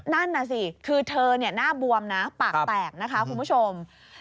นั่นน่ะสิคือเธอหน้าบวมนะปากแตกนะคะคุณผู้ชม